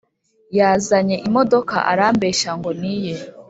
Yazanye imodoka arambeshya ngo niye